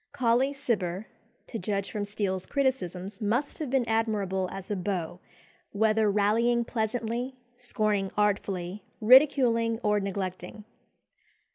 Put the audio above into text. Colley Cibber, to judge from Steele's criticisms, must have been admirable as a beau, whether rallying pleasantly, scorning artfully, ridiculing, or neglecting.